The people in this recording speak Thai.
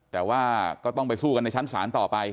แต่ว่าก็ต้องไปสู้กันในชั้นศาลต่อไป